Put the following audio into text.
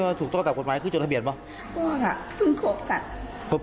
เราถึงปีกับ๓๔เหลือนเทียวครับ